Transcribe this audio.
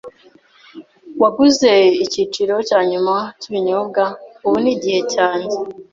Waguze icyiciro cya nyuma cyibinyobwa. Ubu ni igihe cyanjye.